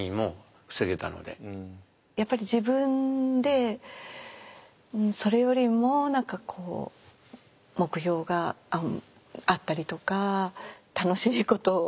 やっぱり自分でそれよりも何かこう目標があったりとか楽しいことを考えたりとか。